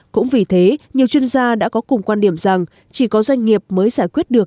cũng vì thế nhiều chuyên gia đã có cùng quan điểm rằng chỉ có doanh nghiệp mới giải quyết được